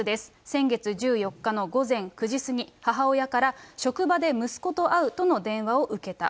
先月１４日の午前９時過ぎ、母親から職場で息子と会うとの電話を受けた。